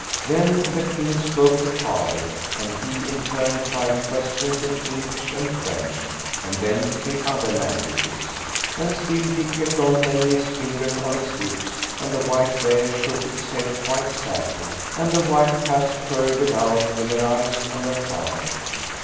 Then the King spoke to Father, and he in turn tried questions, in English and French and then in other languages. And still Dick kept on laying his finger on his lips, and the white bear shook its head quite sadly, and the white cats purred aloud with their eyes on their father.